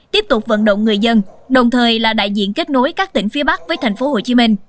tiếp tục vận động người dân đồng thời là đại diện kết nối các tỉnh phía bắc với tp hcm